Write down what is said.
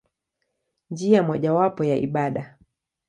Njia mojawapo ya ibada.